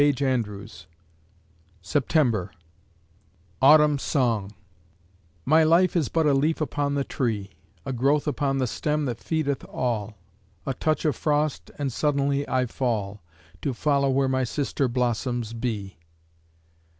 Editor] September AUTUMN SONG My Life is but a leaf upon the tree A growth upon the stem that feedeth all. A touch of frost and suddenly I fall, To follow where my sister blossoms be.